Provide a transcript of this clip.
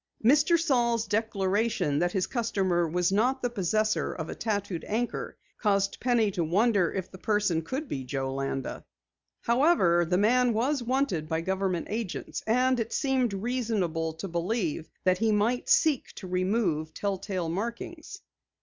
'" Mr. Saal's declaration that his customer was not the possessor of a tattooed anchor caused Penny to wonder if the person could be Joe Landa. However, the man was wanted by government agents and it seemed reasonable to believe that he might seek to remove tell tale markings.